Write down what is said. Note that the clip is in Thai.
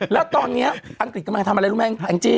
แล้วตอนนี้อังกฤษกำลังทำอะไรรู้ไหมแองจี้